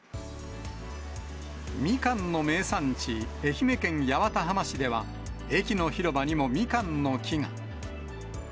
みかんの名産地、愛媛県八幡浜市では、駅の広場にもみかんの木が。